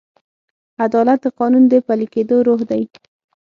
عدالت د قانون د پلي کېدو روح دی.